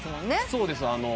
そうです。